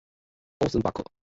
欧森巴克。